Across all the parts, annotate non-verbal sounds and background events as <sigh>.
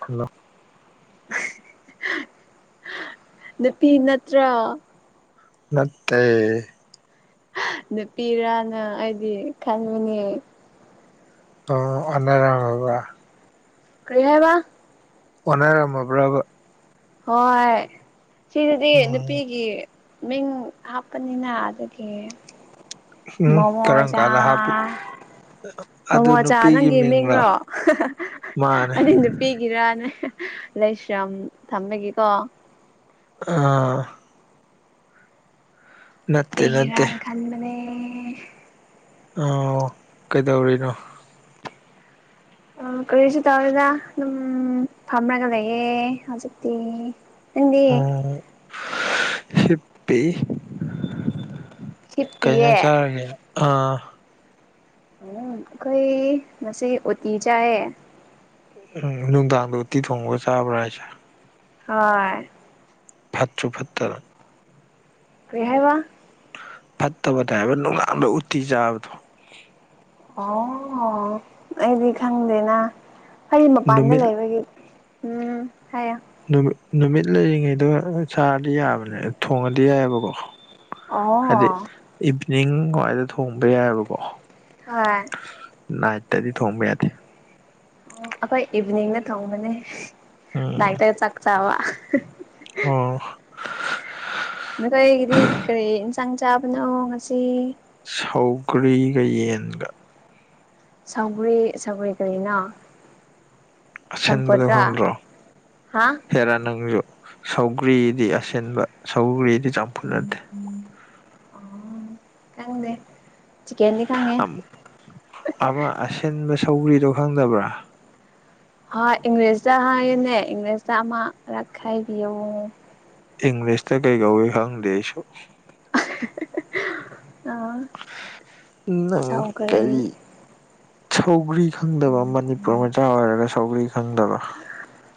Hello <inaudible> ꯅꯨꯄꯤ ꯅꯠꯇ꯭ꯔꯥ ꯅꯠꯇꯦ ꯅꯨꯄꯤꯔꯅ ꯑꯩꯗꯤ ꯈꯟꯕꯅꯤ ꯑꯣ ꯑꯣꯟꯅꯔꯝꯃꯕ ꯀꯔꯤ ꯍꯥꯏꯕ ꯑꯣꯟꯅꯔꯝꯃꯕ꯭ꯔꯕ ꯍꯣꯏ ꯁꯤꯁꯤꯗꯤ ꯎꯝ ꯅꯨꯄꯤꯒꯤ ꯃꯤꯡ ꯍꯥꯞꯄꯅꯤꯅ ꯑꯗꯨꯒꯤ ꯎꯝ ꯀꯔꯝ ꯃꯣꯃꯣꯆꯥ ꯀꯥꯟꯗ ꯍꯥꯞꯄꯤ ꯑꯗꯨ ꯃꯣꯃꯣꯆꯥ ꯅꯨꯄꯤꯒꯤ ꯅꯪꯒꯤ ꯃꯤꯡꯂꯥ ꯃꯤꯡꯔꯣ ꯃꯥꯅꯦ ꯑꯗꯨ ꯅꯨ ꯄꯤꯒꯤꯔꯅꯦ ꯂꯩꯥꯏꯁ꯭ꯔꯝ ꯊꯝꯃꯒꯦꯀꯣ ꯑꯥ ꯅꯠꯇꯦ ꯅꯠꯇꯦ ꯅꯨꯄꯤꯒꯤꯔꯅ ꯈꯟꯕꯅꯦ ꯑꯣ ꯀꯩꯗꯧꯔꯤꯅꯣ ꯎꯟ ꯀꯔꯤꯁꯨ ꯇꯧꯗꯦꯗ ꯑꯗꯨꯝ ꯐꯝꯃꯔꯒ ꯂꯩꯌꯦ ꯍꯧꯖꯤꯛꯇꯤ ꯅꯪꯗꯤ ꯎꯝ ꯍꯤꯞꯄꯤ ꯀꯩ ꯍꯤꯞꯄꯤꯌꯦ ꯍꯤꯡꯖꯥꯡ ꯆꯥꯔꯒꯦ ꯑꯥ ꯎꯝ ꯑꯩꯈꯣꯏ ꯉꯁꯤ ꯎꯇꯤ ꯆꯥꯏꯌꯦ ꯎꯝ ꯅꯨꯡꯗꯥꯡꯗꯣ ꯎꯇꯤ ꯊꯣꯡꯉꯒ ꯆꯥꯕ꯭ꯔꯥ ꯍꯥꯏꯁꯦ ꯍꯣꯏ ꯐꯠꯁꯨ ꯐꯠꯇꯕ ꯀꯔꯤ ꯍꯥꯏꯕ ꯐꯠꯇꯕꯅꯦ ꯍꯥꯏꯕ ꯅꯨꯡꯗꯥꯡꯗ ꯎꯇꯤ ꯆꯥꯕꯗꯣ ꯑꯣ ꯑꯩꯗꯤ ꯈꯪꯗꯦꯅ ꯑꯩꯗꯤ ꯃꯄꯥꯟꯗ ꯅꯨꯃꯤꯠ ꯂꯩꯕꯒꯤ ꯎꯝ ꯍꯥꯏꯌꯣ ꯅꯨꯃꯤꯠ ꯅꯨꯃꯤꯠ ꯂꯩꯔꯤꯉꯩꯗ ꯆꯥꯔꯗꯤ ꯌꯥꯕꯅꯦ ꯊꯣꯡꯉꯗꯤ ꯌꯥꯏꯕꯀꯣ ꯍꯥꯏꯗꯤ ꯑꯣ ꯏꯚꯅꯤꯡ ꯋꯥꯏꯗ ꯊꯣꯡꯕ ꯌꯥꯏꯕꯀꯣ ꯍꯣꯏ ꯅꯥꯏꯠꯇꯗꯤ ꯊꯣꯡꯕ ꯌꯥꯗꯦ ꯑꯩꯈꯣꯏ ꯏꯚꯤꯅꯤꯡꯗ ꯊꯣꯡꯕꯅꯦ ꯎꯝ ꯅꯥꯏꯠꯇ ꯆꯥꯛ ꯆꯥꯕ ꯑꯣ ꯅꯈꯣꯏꯒꯤꯗꯤ ꯀꯔꯤ ꯏꯟꯁꯥꯡ ꯆꯥꯕꯅꯣ ꯉꯁꯤ ꯁꯧꯒ꯭ꯔꯤꯒ ꯌꯦꯟꯒ ꯁꯧꯒꯔ꯭ꯤ ꯁꯧꯒ꯭ꯔꯤ ꯀꯔꯤꯅꯣ ꯑꯁꯤꯟꯕꯗꯣ ꯆꯥꯝꯐꯨꯠꯔ ꯈꯪꯗ꯭ꯔꯣ ꯍꯥ ꯍꯦꯔꯥ ꯅꯪꯁꯨ ꯁꯧꯒ꯭ꯔꯤꯗꯤ ꯑꯁꯤꯟꯕ ꯁꯧꯒ꯭ꯔꯤꯗꯤ ꯆꯝꯐꯨꯠ ꯅꯠꯇꯦ ꯈꯪꯗꯦ ꯆꯤꯀꯟꯗꯤ ꯈꯪꯉꯦ ꯑꯃ ꯑꯁꯤꯟꯕ ꯁꯧꯒ꯭ꯔꯤꯗꯣ ꯈꯪꯗꯕ꯭ꯔꯥ ꯍꯣꯏ ꯏꯪꯂꯤꯁꯇ ꯍꯥꯏꯌꯣꯅꯦ ꯏꯪꯂꯤꯁꯇ ꯑꯃꯔꯛ ꯍꯥꯏꯕꯤꯌꯨ ꯏꯪꯂꯤꯁꯇ ꯀꯩ ꯀꯧꯏ ꯈꯪꯗꯦ ꯑꯩꯁꯨ ꯅꯪ ꯁꯧꯒꯔ꯭ꯤ ꯀꯔꯤ ꯁꯧꯒ꯭ꯔꯤ ꯈꯪꯗꯕ ꯃꯅꯤꯄꯨꯔ ꯃꯆꯥ ꯑꯣꯏꯔꯒ ꯁꯧꯒ꯭ꯔꯤ ꯈꯪꯗꯕ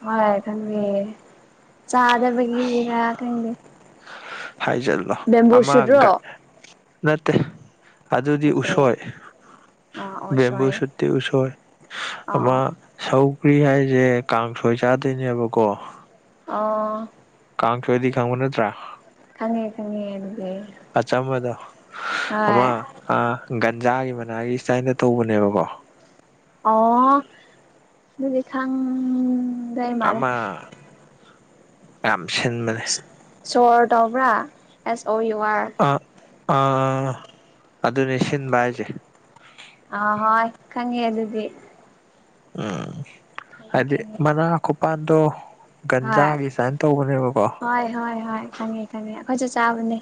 ꯍꯣꯏ ꯈꯪꯗꯤꯌꯦ ꯆꯥꯗꯕꯒꯤꯔ ꯈꯪꯗꯦ ꯍꯥꯏꯖꯤꯜꯂꯣ ꯕꯦꯝꯕꯨ ꯁꯨꯠꯔꯣ ꯑꯃꯒ ꯅꯠꯇꯦ ꯑꯗꯨꯗꯤ ꯅꯠꯇꯦ ꯎꯁꯣꯏ ꯑꯥ ꯕꯦꯝꯕꯨ ꯑꯣꯁꯣꯏ ꯁꯨꯠꯇꯤ ꯎꯁꯣꯏ ꯑꯥ ꯑꯃ ꯑꯣ ꯁꯧꯒ꯭ꯔꯤ ꯍꯥꯏꯁꯦ ꯀꯥꯡꯁꯣꯏ ꯆꯥꯗꯣꯏꯅꯦꯕꯀꯣ ꯑꯣ ꯀꯥꯡꯁꯣꯏꯗꯤ ꯈꯥꯡꯕ ꯅꯠꯇ꯭ꯔꯥ ꯈꯪꯉꯦ ꯈꯪꯉꯦ ꯑꯗꯨꯗꯤ ꯑꯆꯝꯕꯗꯣ ꯍꯣꯏ ꯑꯃ ꯒꯟꯖꯥꯒꯤ ꯃꯅꯥꯒꯤ ꯏꯁꯇꯥꯏꯟꯗ ꯇꯧꯕꯅꯦꯕꯀꯣ ꯑꯣ ꯑꯗꯨꯗꯤ ꯈꯪ ꯑꯃꯥ ꯌꯥꯝ ꯁꯤꯟꯕ ꯁꯣꯔ ꯇꯧꯕ꯭ꯔꯥ ꯑꯦꯁ ꯑꯣ ꯌꯨ ꯑꯥꯔ ꯑꯥ ꯑꯥ ꯑꯥ ꯑꯗꯨꯅꯤ ꯁꯤꯟꯕ ꯍꯥꯏꯁꯦ ꯑ ꯍꯣ ꯈꯪꯉꯦ ꯑꯗꯨꯗꯤ ꯎꯝ ꯈꯪꯉꯦ ꯍꯥꯏꯗꯤ ꯈꯪꯉꯦ ꯃꯅꯥ ꯈꯨꯄꯥꯟꯗꯣ ꯍꯣꯏ ꯒꯟꯖꯥꯒꯤ ꯁꯇꯥꯏꯟ ꯇꯧꯕꯅꯦꯕꯀꯣ ꯍꯣꯏ ꯍꯣꯏ ꯍꯣꯏ ꯈꯪꯉꯦ꯫ ꯈꯪꯉꯦ ꯑꯩꯈꯣꯏꯁꯨ ꯆꯥꯕꯅꯦ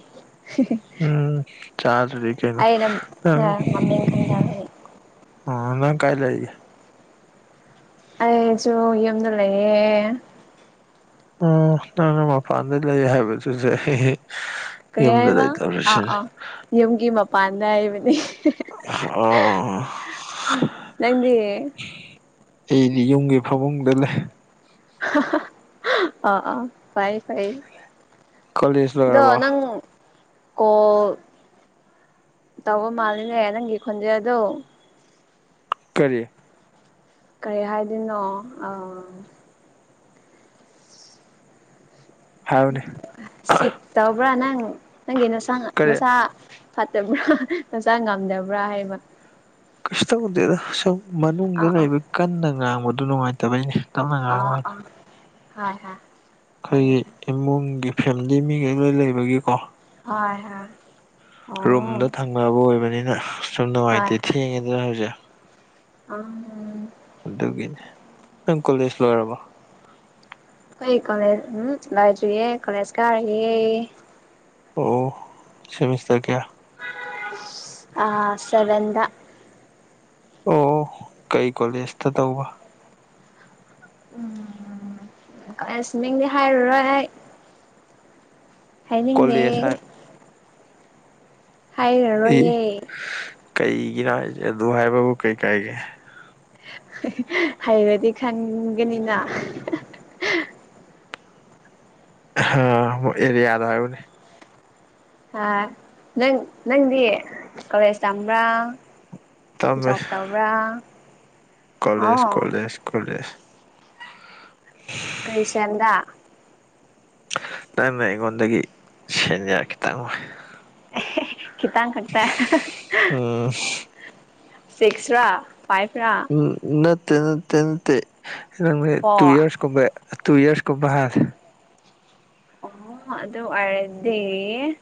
ꯎꯝ ꯆꯥꯗꯔ꯭ꯗꯤ ꯀꯩ ꯑꯩꯅ ꯅꯪ ꯃꯃꯤꯡ ꯈꯪꯗꯕꯒꯤ ꯑꯣ ꯅꯪ ꯀꯥꯏ ꯂꯩꯏꯒꯦ ꯑꯩꯁꯨ ꯌꯨꯝꯗ ꯂꯩꯌꯦ ꯎ ꯅꯪꯅ ꯃꯄꯥꯟꯗ ꯂꯩ ꯍꯥꯏꯕꯗꯨꯗ ꯑꯩ ꯀꯔꯤ ꯌꯨꯝꯗ ꯍꯥꯏꯕ ꯂꯩꯇꯕꯔ꯭ ꯑꯥ ꯁꯤꯅꯤ ꯑꯥ ꯌꯨꯝꯒꯤ ꯃꯄꯥꯟꯗ ꯍꯥꯏꯕꯅꯤ ꯑꯣ ꯅꯪꯗꯤ ꯑꯩꯗꯤ ꯌꯨꯝꯒꯤ ꯐꯃꯨꯡꯗ ꯂꯩ ꯍꯥ ꯍꯥ ꯑꯣ ꯑꯣ ꯐꯥꯏ ꯐꯥꯏ ꯀꯣꯂꯦꯖ ꯗꯣ ꯂꯣꯏꯔꯕꯣ ꯅꯪ ꯀꯣꯜ ꯇꯧꯕ ꯃꯥꯜꯂꯤꯅꯦ ꯅꯪꯒꯤ ꯈꯣꯟꯖꯦꯜꯗꯣ ꯀꯔꯤ ꯀꯔꯤ ꯍꯥꯏꯗꯣꯏꯅꯣ ꯑꯥ ꯍꯥꯏꯌꯨꯅꯦ ꯁꯤꯛ ꯇꯧꯕ꯭ꯔꯥ ꯅꯪ ꯅꯪꯒꯤ ꯅꯁꯥ ꯀꯔꯤ ꯅꯁꯥ ꯐꯠꯇꯕ꯭ꯔꯥ ꯅꯁꯥ ꯉꯝꯗꯕ꯭ꯔꯥ ꯍꯥꯏꯕ ꯀꯩꯁꯨ ꯇꯧꯗꯦꯗꯣ ꯁꯨꯝ ꯃꯅꯨꯡꯗ ꯑꯥ ꯑꯥ ꯂꯩꯕꯩ ꯀꯟꯅ ꯉꯥꯡꯕꯗꯨ ꯅꯨꯡꯉꯥꯏꯇꯕꯩꯅꯦ ꯇꯞꯅ ꯉꯥꯡꯕ ꯑ ꯍꯥꯏꯗꯤ ꯑ ꯍꯣꯏ ꯍꯣꯏ ꯑꯩꯈꯣꯏꯒꯤ ꯏꯃꯨꯡꯒꯤ ꯐꯦꯃꯤꯂꯤ ꯃꯤꯒꯩ ꯂꯣꯏ ꯂꯩꯕꯒꯤꯀꯣ ꯍꯣꯏ ꯍꯣꯏ ꯑꯣ ꯔꯨꯝꯗꯣ ꯊꯪꯅꯕ ꯑꯣꯏꯕꯅꯤꯅ ꯁꯨꯝ ꯅꯨꯡꯉꯥꯏꯇꯦ ꯊꯦꯡꯉꯦꯗꯅ ꯍꯧꯖꯤꯛ ꯑ ꯑꯗꯨꯒꯤꯅꯦ ꯅꯪ ꯀꯣꯂꯦꯖ ꯂꯣꯏꯔꯕꯣ ꯍꯣꯏ ꯀꯣꯂꯦꯖ ꯎꯝ ꯂꯥꯏꯗ꯭ꯔꯤꯌꯦ ꯀꯣꯂꯦꯖ ꯀꯥꯔꯔꯤꯌꯦ ꯑꯣ ꯁꯤꯦꯃꯤꯁꯇꯔ ꯀꯦꯌꯥ ꯑ ꯁꯦꯕꯗ ꯑꯣ ꯀꯩ ꯀꯣꯂꯦꯖꯇ ꯇꯧꯕ ꯎꯝꯁ ꯃꯤꯡꯗꯤ ꯍꯥꯏꯔꯨꯔꯣꯏ ꯑꯩ ꯀꯣꯂꯦꯖ ꯍꯅꯤꯡꯗꯦ ꯍꯥꯏ ꯏ ꯍꯥꯏꯔꯔꯣꯏꯌꯦ ꯀꯩꯒꯤꯅꯣ ꯍꯥꯏꯁꯦ ꯑꯗꯨ ꯍꯥꯏꯕꯕꯨ ꯀꯩꯀꯥꯏꯒꯦ ꯍꯩꯔꯗꯤ ꯈꯪꯒꯅꯤꯅ ꯑ ꯑꯦꯔꯤ ꯌꯥꯗ ꯍꯥꯏꯕꯨꯅꯤ ꯑ ꯅꯪ ꯅꯪꯗꯤ ꯀꯧꯂꯦꯖ ꯇꯝꯕ꯭ꯔꯥ ꯇꯝꯃꯦ ꯖꯣꯕ ꯇꯧꯕ꯭ꯔꯥ ꯀꯣꯂꯦꯖ ꯑꯣ ꯀꯣꯂꯦꯖ ꯀꯣꯂꯦꯖ ꯀꯩꯁꯗ ꯅꯪ ꯅ ꯑꯩꯉꯣꯟꯗꯒꯤ ꯁꯦꯟ ꯌꯥꯔ ꯈꯤꯇꯪꯣꯏ ꯈꯈꯤꯇꯪ ꯀꯇ ꯎꯝ ꯁꯤꯛꯁꯔ ꯐꯥꯏꯚ ꯔꯥ ꯅꯠꯇꯦ ꯅꯠꯇꯦ ꯅꯠꯇꯦꯪ ꯇꯨ ꯐꯣꯔ ꯏꯌꯥꯔꯁꯀꯨꯝꯕꯦ ꯇꯨ ꯏꯔꯁꯀꯣ ꯕꯥꯔ ꯑꯣ ꯑꯗꯨ ꯑꯗꯨ ꯍꯗꯤꯦ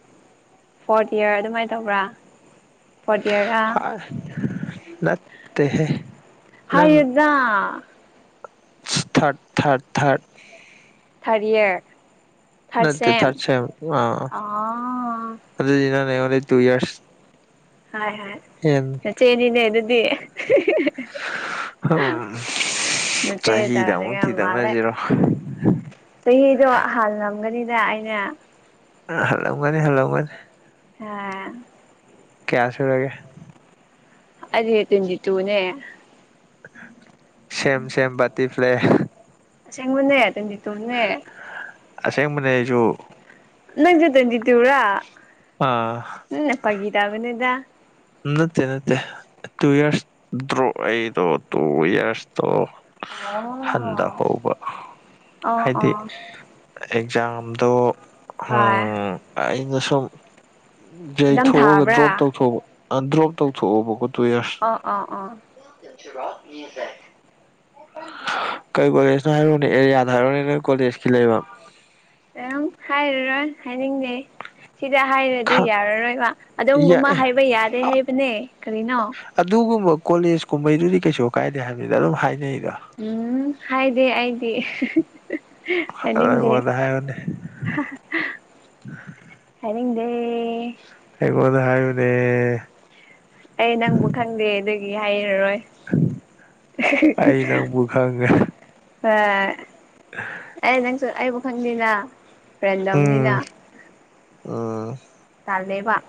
ꯐꯣꯔꯠ ꯏꯔ ꯑꯗꯨꯃꯥꯏꯅ ꯇꯧꯕ꯭ꯔꯥ ꯐꯣꯔꯠ ꯏꯌꯥꯔꯔꯥ ꯅꯠꯇꯦꯦ ꯅꯪ ꯑ ꯊꯥꯔꯠ ꯊꯥꯔꯠ ꯊꯥꯔꯠ ꯊꯥꯔꯗ ꯏꯌꯔ ꯊꯥꯔꯗ ꯅꯠꯇꯦ ꯁꯦꯝ ꯊꯥꯔꯠ ꯑꯥ ꯑꯗꯨꯗꯤ ꯅ ꯑꯣꯂꯤ ꯇꯨ ꯏꯌꯥꯔꯁ ꯍꯥꯏ ꯍꯣꯏ ꯍ ꯅꯆꯦꯅꯤꯅꯦ ꯑꯗꯨꯗꯤ ꯍꯝ ꯅꯆꯦ ꯆꯍꯤꯗ ꯇꯧꯔꯒ ꯑꯃꯨꯛꯇꯤ ꯃꯥꯜꯂꯦ ꯇꯛꯅꯁꯤꯔꯣ ꯆꯍꯤꯗꯣ ꯍꯜꯂꯝꯒꯅꯤꯅ ꯑꯩꯅ ꯑ ꯍꯜꯂꯛꯕꯅꯤ ꯍꯜꯂꯛꯕꯅꯤ ꯍꯥꯥ ꯀꯌꯥꯁꯤꯔꯒꯦ ꯑꯗꯦ ꯇꯤꯟꯖꯤ ꯇꯨꯅꯦ ꯁꯝ ꯁꯃ ꯄꯇ ꯄ꯭ꯂꯦ ꯁꯦꯡꯪꯃꯗꯦ ꯇꯗꯤ ꯇꯨꯅꯦ ꯑꯁꯦꯡꯕꯅꯦ ꯑꯩꯁꯨ ꯅꯪꯖ ꯇꯟꯖꯤ ꯇꯤ ꯎ꯭ꯔꯥ ꯑꯥ ꯎꯝ ꯐꯒꯤꯤꯗꯕꯅꯤꯗ ꯅꯠꯇꯦ ꯅꯠꯇꯦ ꯇꯨ ꯏꯌꯥꯔꯁ ꯗ꯭ꯔꯣ ꯑꯩꯗꯣ ꯇꯨ ꯏꯌꯥꯔꯁꯇꯣ ꯑꯣ ꯍꯟꯊꯍꯧꯕ ꯑꯣ ꯍꯥꯏꯗꯤ ꯑꯣ ꯑꯦꯛꯖꯥꯝꯗꯣ ꯍꯣꯏ ꯎꯝ ꯑꯩꯅ ꯁꯨꯝ ꯑꯦꯛꯖꯥꯝ ꯌꯩꯊꯣꯛꯑꯒ ꯊꯥꯕ꯭ꯔꯥ ꯗ꯭ꯔꯣꯞ ꯇꯧꯊꯣꯛꯕ ꯑꯟꯗ꯭ꯔꯣꯞ ꯇꯧꯊꯣꯛꯑꯣꯕꯀꯣꯠꯇꯣꯏꯔꯁ ꯑꯥ ꯑ ꯑꯣ ꯆꯖꯔ ꯌꯦꯁꯦ ꯀꯩ ꯀꯣꯂꯦꯖꯅ ꯍꯥꯏꯔꯣꯅꯦ ꯑꯦꯔꯤꯌꯥꯗ ꯍꯥꯏꯔꯨꯅꯦ ꯅꯣꯏ ꯀꯣꯂꯦꯖꯀꯤ ꯂꯩꯕ ꯑꯗꯨꯝ ꯍꯥꯏꯔꯔꯣꯏ ꯍꯥꯏꯅꯤꯡꯗꯦ ꯁꯤꯗ ꯍꯥꯏꯔꯗꯤ ꯑꯗꯨ ꯌꯥꯔꯔꯣꯏꯕ ꯑꯗꯨꯝꯒꯨꯝꯕ ꯌꯥꯏ ꯍꯥꯏꯕ ꯌꯥꯗꯦ ꯍꯥꯏꯕꯅꯦ ꯀꯔꯤꯅꯣ ꯑꯗꯨꯒꯨꯝꯕ ꯀꯣꯂꯦꯖ ꯀꯨꯝꯕꯩꯗꯨꯗꯤ ꯀꯩꯁꯨ ꯀꯥꯏꯗꯦ ꯍꯥꯏꯕꯕꯅꯤꯗ ꯑꯗꯨꯝ ꯍꯥꯏꯅꯩꯗꯣ ꯎꯝ ꯍꯥꯏꯗꯦ ꯑꯩꯗꯤ ꯍꯥꯏꯅꯤꯡꯗꯦ ꯑꯩꯉꯣꯟꯗ ꯍꯥꯏꯌꯨꯅꯦ ꯍꯅꯤꯡꯗꯦ ꯑꯩꯉꯣꯟꯗ ꯍꯥꯏꯌꯨꯅꯦ ꯑꯩ ꯅꯪꯕꯨ ꯈꯪꯗꯦ ꯑꯗꯨꯒꯤ ꯍꯥꯏꯔꯔꯣꯏ ꯑꯩ ꯅꯪꯕꯨ ꯑ ꯑ ꯑꯦ ꯅꯪꯁꯨ ꯑꯩꯕꯨ ꯈꯪꯗꯦꯅ ꯔꯦꯟꯗꯝꯅꯤꯅ ꯎꯥ ꯇꯥꯜ ꯂꯩꯕ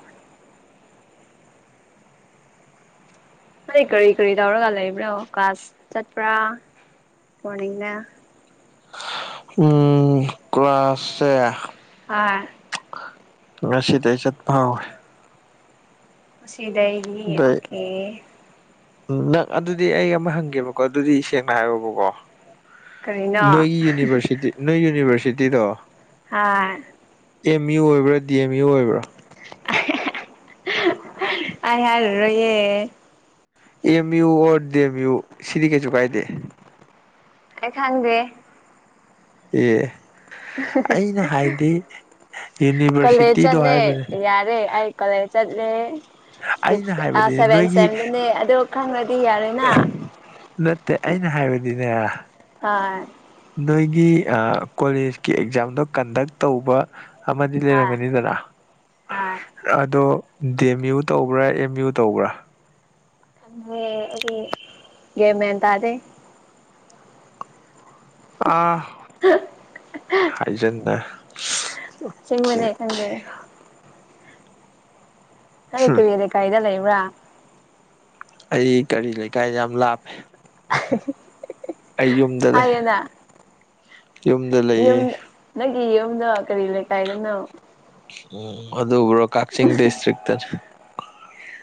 ꯑꯩ ꯀꯔꯤ ꯀꯔꯤ ꯇꯧꯔꯒ ꯂꯩꯕ꯭ꯔꯣ ꯀꯥꯁ ꯆꯠꯄ꯭ꯔꯥ ꯃꯣꯔꯅꯤꯡꯗ ꯑꯪ ꯀꯂꯥꯁ ꯁꯦ ꯑ ꯉꯁꯤꯗꯩ ꯆꯠ ꯍꯧꯏ ꯁꯤꯗꯩ ꯑꯣꯀꯦ ꯎ ꯅꯪ ꯑꯗꯨꯗꯤ ꯑꯩ ꯑꯃ ꯍꯪꯒꯦꯕꯀꯣ ꯑꯗꯨꯗꯤ ꯁꯦꯡꯅ ꯍꯥꯏꯌꯣꯕꯀꯣ ꯀꯔꯤꯅꯣ ꯅꯣꯏꯒꯤ ꯌꯨꯅꯤꯚꯔꯁꯤ ꯅꯣꯏ ꯌꯨꯅꯤꯚꯔꯁꯤꯇꯤꯗꯣ ꯍꯥ ꯑꯦꯝ ꯌꯨ ꯑꯣꯏꯕ꯭ꯔꯥ ꯗꯤ ꯑꯦꯝ ꯌꯨ ꯑꯣꯏꯕ꯭ꯔꯥ ꯑꯩ ꯍꯥꯢꯔꯔꯣꯢꯒꯦ M U or DM U ꯁꯤꯗꯤ ꯀꯩ ꯆꯨ ꯀꯥꯏꯗꯦ ꯑꯩ ꯈꯪꯒꯦ ꯑꯦ ꯑꯩꯅ ꯍꯥꯏꯗꯤ ꯀꯂꯦꯁ ꯌꯨꯅꯤꯚꯔꯁꯤꯇꯤꯗꯣ ꯆꯠꯂꯦ ꯍꯥꯏꯕꯅꯦ ꯌꯥꯔꯦ ꯑꯩ ꯀꯣꯂꯦꯁ ꯆꯠꯂꯦ ꯑꯩꯅ ꯁꯤꯛꯁ ꯍꯥꯏꯕꯗꯤ ꯁꯚꯦꯟ ꯅꯣꯏꯒꯤ ꯁꯕꯗꯅꯦ ꯑꯗꯣ ꯈꯪꯉ꯭ꯔꯗꯤ ꯌꯥꯔꯦꯗꯅ ꯅꯠꯇꯦ ꯑꯩꯅ ꯍꯥꯏꯕꯗꯤꯅꯦ ꯍꯥ ꯅꯣꯏꯒꯤ ꯀꯣꯂꯦꯖꯀꯤ ꯑꯦꯛꯖꯥꯝꯗꯣ ꯀꯟꯗꯛ ꯇꯧꯕ ꯑꯃꯗꯤ ꯍꯣꯏ ꯂꯩꯔꯝꯒꯅꯤꯗꯔ ꯍꯣꯏ ꯑꯗꯣ ꯗꯤ ꯑꯦꯝ ꯌꯨ ꯇꯧꯕ꯭ꯔꯥ ꯑꯦꯝ ꯌꯨ ꯇꯧꯕ꯭ꯔꯥ ꯑꯗꯨ ꯃꯦ ꯇ ꯑꯗꯦ ꯑ ꯍꯥꯏꯖ ꯁꯦꯡꯕꯅꯤ ꯈꯪꯗ ꯀꯔꯤ ꯍꯨꯝ ꯀꯔꯤ ꯌꯦ ꯂꯩꯀꯥꯏꯗ ꯂꯩꯕ꯭ꯔꯥ ꯑꯩ ꯀꯔꯤ ꯂꯩꯀꯥꯏ ꯌꯥꯝ ꯂꯥꯞꯄꯦ ꯍꯥ ꯍꯥ ꯑꯩ ꯌꯨꯝꯗ ꯂꯩ ꯌꯨꯝꯗ ꯂꯩꯌꯦ ꯌꯨꯝ ꯅꯪꯒꯤ ꯌꯨꯝꯗ ꯀꯔꯤ ꯂꯩꯀꯥꯏꯗꯅꯣ ꯎꯝ ꯑꯗꯨꯕꯨ꯭ꯔꯣ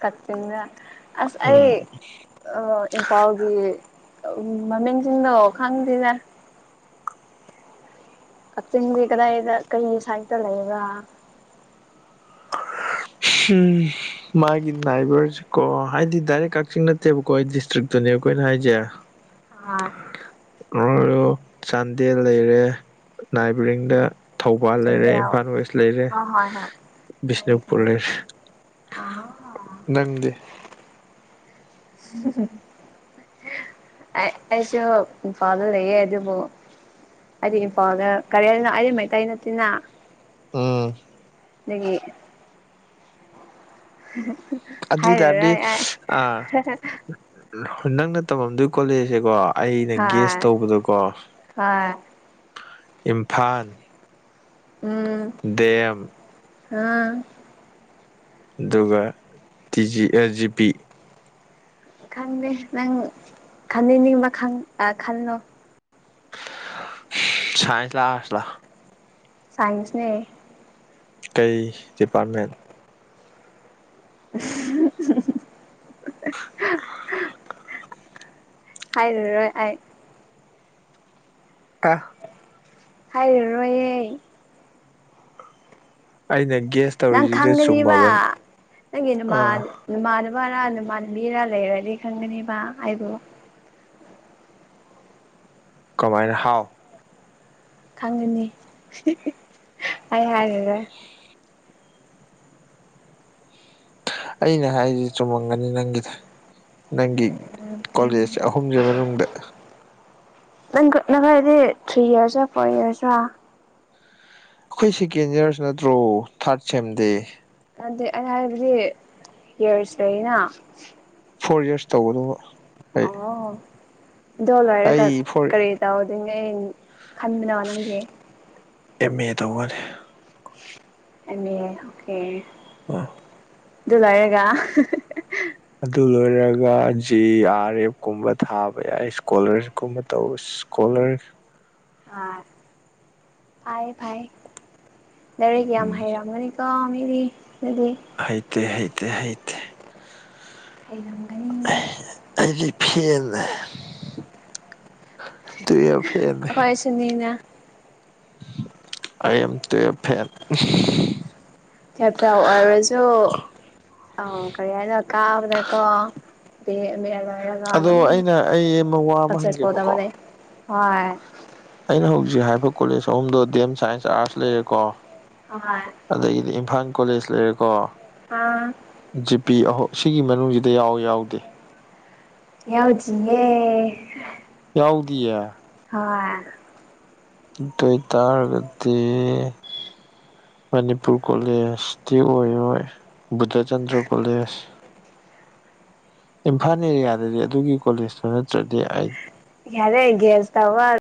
ꯀꯆꯤꯡꯗ ꯑꯁ ꯑꯩ ꯎꯝ ꯑ ꯏꯝꯐꯥꯜꯒꯤ ꯃꯃꯤꯡꯁꯤꯡꯗꯣ ꯈꯪꯗ꯭ꯔꯤꯅꯦ ꯀꯛꯆꯤꯡꯗꯤ ꯀꯗꯥꯏꯗ ꯀꯩ ꯁꯥꯠꯇ ꯂꯩꯕ ꯎꯝ ꯃꯥꯒꯤ ꯅꯥꯏꯕꯔꯁꯦ ꯀꯣ ꯍꯥꯏꯗꯤ ꯗꯥꯏꯔꯦꯛ ꯀꯛꯆꯤꯡ ꯅꯠꯇꯦꯕꯀꯣ ꯑꯩ ꯗꯤꯁꯇ꯭ꯔꯤꯛꯇꯨꯅꯦ ꯑꯩꯈꯣꯏꯅ ꯍꯥꯏꯁꯦ ꯑ ꯅꯣꯏꯣ ꯆꯥꯟꯗꯦꯜ ꯂꯩꯔꯦ ꯅꯥꯏꯕꯔꯤꯡꯗ ꯊꯧꯕꯥꯜ ꯂꯩꯔꯦ ꯆꯥꯟꯗꯦꯜ ꯏꯝꯐꯥꯜ ꯋꯦꯁ ꯂꯩꯔꯦ ꯑ ꯍꯣꯏ ꯍꯣꯏ ꯕꯤꯁꯅꯨꯄꯨꯔ ꯂꯩꯔꯦ ꯑꯥ ꯅꯪꯗꯤ ꯎꯝ ꯑꯩꯁꯨ ꯏ ꯐꯥꯗ ꯂꯩꯌꯦꯦ ꯍꯥꯏꯗꯤꯕꯨꯣ ꯑꯗꯨ ꯏꯝꯐꯥꯎꯜꯒ ꯀꯔꯦꯜꯅ ꯑꯩꯗꯤ ꯃꯩꯇꯩ ꯅꯠꯇꯤꯅ ꯎꯝ ꯅꯗꯒꯤ ꯎꯝ ꯑꯗꯨꯏ ꯇꯔꯗꯤ ꯑ ꯅꯪꯅ ꯇꯝꯃꯝꯗꯣꯏ ꯀꯣꯂꯦꯖꯁꯦꯀꯣ ꯑꯩꯅ ꯒ꯭ꯦꯁ ꯍꯣꯏ ꯇꯧꯕꯗꯣꯀꯣ ꯍꯣꯏ ꯏꯝꯐꯜ ꯎꯝ ꯗꯦꯝ ꯎꯝ ꯑꯗꯨꯒ ꯇꯤꯖꯤ ꯖꯤ ꯄꯤ ꯈꯟꯦ ꯅꯪ ꯈꯟꯦ ꯅꯤꯡꯕ ꯈ ꯑ ꯈꯨ ꯁꯥꯏꯟꯁ ꯂꯥ ꯑꯥꯁ ꯂꯥ ꯁꯥꯏꯟꯁꯅꯦ ꯀꯩ ꯗꯤꯄꯥꯔꯠꯃꯦꯟ <inaudible> ꯍꯥꯏꯣꯏ ꯍꯥꯏ ꯀꯥ ꯍꯥꯏꯔꯔꯣꯏꯌꯦ ꯑꯅ ꯒꯦꯁ ꯅꯪ ꯇꯧꯔꯤꯁꯤꯗ ꯊꯪ꯭ꯔꯤꯔꯤꯕ ꯆꯨꯝꯃꯕꯅꯦ ꯅꯪꯦꯅ ꯃꯥ ꯑꯥ ꯅꯃꯥꯟꯅꯕꯔ ꯅꯃꯥꯟꯅꯕꯤꯔ ꯂꯩꯔꯅꯤ ꯈꯪꯒꯅꯦꯕ ꯑꯩꯕꯨ ꯀꯃꯥꯏꯅ ꯍꯥꯎ ꯈꯪꯒꯅꯤ ꯑꯩ ꯍꯥꯏꯔꯒꯦ ꯑꯩꯅ ꯍꯥꯏꯔꯤꯁ ꯆꯨꯝꯃꯝꯒꯅꯤ ꯅꯪꯒꯤꯗ ꯅꯪꯒꯤ ꯎꯝ ꯈꯪꯒꯅꯤ ꯀꯣꯂꯦꯖ ꯑꯍꯨꯝꯁꯤ ꯃꯅꯨꯡꯗ ꯅꯪ ꯀꯅꯕꯈꯗꯤ ꯊ꯭ꯔꯤ ꯏꯔꯁ ꯐꯣꯔ ꯏꯌꯥꯔꯁꯣ ꯑꯩꯈꯣꯏ ꯁꯦꯀꯦꯟ ꯌꯌꯥꯔꯁꯨ ꯅꯠꯇ꯭ꯔꯣ ꯊꯥꯔꯠ ꯁꯦꯝꯗꯦ ꯑꯗꯨ ꯑ ꯍꯥꯏꯕꯗꯤ ꯌꯔꯁꯇꯅ ꯐꯣꯔ ꯌꯔꯁ ꯇꯧꯕꯗꯧꯕ ꯑꯣ ꯗꯣ ꯂꯣꯏꯔꯒ ꯑꯩ ꯐꯣꯔ ꯀꯔꯤ ꯇꯧꯗꯨꯅꯦ ꯑꯩ ꯈꯟꯗꯅꯕ ꯅꯪꯗꯤꯦ ꯑꯦꯝ ꯑꯦ ꯇꯧꯒꯅꯤ ꯑ ꯑꯣꯦ ꯑ ꯑꯗꯨ ꯂꯩꯥꯏꯔꯒ ꯑꯗꯨ ꯂꯣꯏꯔꯒ ꯖꯦ ꯑꯥꯔ ꯑꯦꯐ ꯀꯨꯝꯕ ꯊꯥꯕ ꯌꯥꯏ ꯏꯁꯀꯣꯂꯔꯁꯤꯞꯀꯨꯝꯕ ꯇꯧꯕ ꯀꯣꯂꯔ ꯑꯥ ꯐꯥꯏ ꯐꯚꯥꯏ ꯗꯔꯦ ꯌꯥꯝ ꯎꯝ ꯍꯥꯏꯩꯔꯝꯒꯅꯤ ꯀꯥ ꯃꯤꯗꯤ ꯂꯩꯗꯤ ꯍꯩꯇ ꯍꯩꯇ ꯍꯩꯇ ꯑꯩꯪ ꯍꯥꯏꯗꯤ ꯐꯅ ꯇꯨ ꯌꯥꯝ ꯐꯅꯤ ꯁꯨꯃꯅꯥ ꯑꯥꯏ ꯑꯦꯝ ꯇꯨ ꯑꯦꯞ ꯐꯦꯟ ꯀꯦꯐꯥꯎꯔꯁꯨ ꯑꯩ ꯀꯩꯍꯥꯏꯅ ꯀꯥꯅꯕ ꯀꯪ ꯃꯦ ꯃꯂꯣꯏꯔꯒ ꯞꯂꯥꯟ ꯑꯗꯣ ꯑꯃꯥ ꯑꯩꯅ ꯑꯩ ꯑꯃ ꯋꯥ ꯑꯃ ꯁꯠꯁꯠ ꯍꯪꯒꯦꯕꯀꯣ ꯂꯣꯏꯁꯟꯗꯧꯕꯅꯦ ꯍꯣꯏ ꯑꯩꯅ ꯍꯧꯖꯤꯛ ꯍꯥꯏꯕ ꯀꯣꯂꯦꯖ ꯑꯍꯨꯝꯗꯣ ꯗꯤ ꯑꯦꯝ ꯁꯥꯏꯟꯁ ꯑꯥꯔꯠꯁ ꯂꯩꯔꯦꯀꯣ ꯑ-ꯍꯣꯏ ꯑꯗꯒꯤꯗꯤ ꯏꯝꯐꯥꯜ ꯀꯣꯂꯦꯖ ꯂꯩꯔꯦꯀꯣ ꯍꯥ ꯖꯤꯄꯤ ꯑꯍꯧꯝ ꯁꯤꯒꯤ ꯃꯅꯨꯡꯁꯤꯗ ꯌꯥꯎꯏ ꯌꯥꯎꯗꯦ ꯌꯥꯎꯖꯤꯅꯦ ꯌꯥꯎꯗꯤꯌꯦ ꯍꯋꯥꯏ ꯀꯩꯀꯥꯔꯒꯗꯤ ꯃꯅꯤꯄꯨꯔ ꯀꯣꯂꯦꯖꯇꯤ ꯑꯣꯏꯔꯣꯏ ꯕꯨꯙꯆꯟꯗ꯭ꯔ ꯀꯣꯂꯦꯖ ꯏꯝꯐꯥꯜ ꯑꯦꯔꯤꯌꯥꯗꯗꯤ ꯑꯗꯨꯒꯤ ꯀꯣꯂꯦꯖꯇꯨ ꯅꯠꯇ꯭ꯔꯗꯤ ꯑꯩ ꯌꯥꯔꯦ ꯒꯦꯁ ꯇꯧꯔꯛꯑꯅꯨ